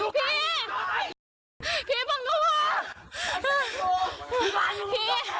พี่เค้าขอพี่